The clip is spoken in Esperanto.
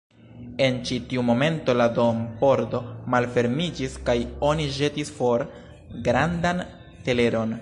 En ĉi tiu momento la dompordo malfermiĝis, kaj oni ĵetis for grandan teleron.